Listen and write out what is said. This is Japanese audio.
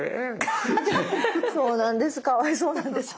そうなんです。